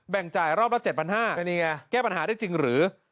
แบ่งจ่ายรอบละ๗๕๐๐บาทแก้ปัญหาได้จริงหรือ